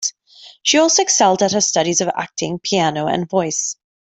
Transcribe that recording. She also excelled at her studies of acting, piano and voice.